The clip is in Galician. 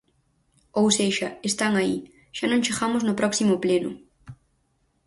Ou sexa, están aí; xa non chegamos no próximo pleno.